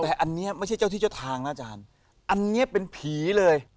แต่อันนี้ไม่ใช่เจ้าที่เจ้าทางนะอาจารย์อันนี้เป็นผีเลย